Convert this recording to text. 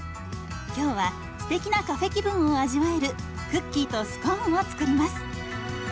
今日はすてきなカフェ気分を味わえるクッキーとスコーンを作ります。